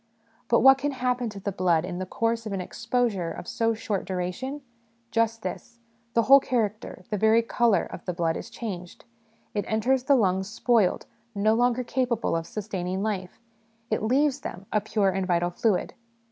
But what can happen to the blood in the course of an exposure of so short duration ? Just this the whole character, the very colour, of the blood is changed : it enters the lungs spoiled, no longer capable of sustaining life ; it leaves them, a pure and vital fluid.